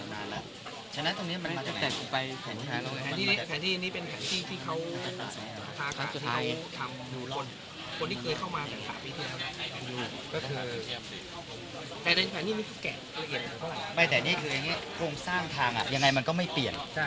ไม่แต่นี้โครงสร้างทางยังไงมันก็ไม่เปลี่ยน